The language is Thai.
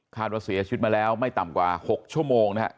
ว่าเสียชีวิตมาแล้วไม่ต่ำกว่า๖ชั่วโมงนะฮะ